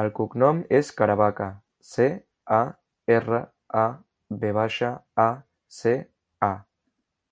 El cognom és Caravaca: ce, a, erra, a, ve baixa, a, ce, a.